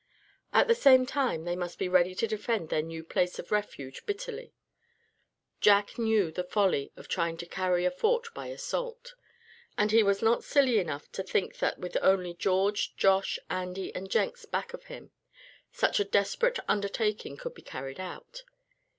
At the same time they must be ready to defend their new place of refuge bitterly. Jack knew the folly of trying to carry a fort by assault, and he was not silly enough to think that with only George, Josh, Andy and Jenks back of him such a desperate undertaking could be carried out.